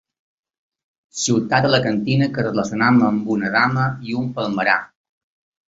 Ciutat alacantina que relacionem amb una dama i un palmerar.